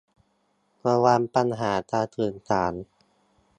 ระวังปัญหาการสื่อสาร